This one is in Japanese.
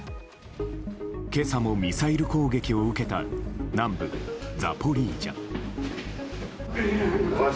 今朝もミサイル攻撃を受けた南部ザポリージャ。